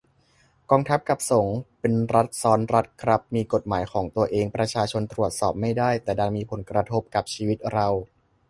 กองทัพ กับ สงฆ์ เป็นรัฐซ้อนรัฐครับ มีกฎหมายของตัวเอง ประชาชนตรวจสอบไม่ได้ แต่ดันมีผลกระทบกับชีวิตเรา